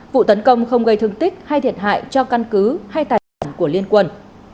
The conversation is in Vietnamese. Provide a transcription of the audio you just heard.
vụ tấn công không gây thương tích hay thiệt hại cho căn cứ hay tài sản của liên quân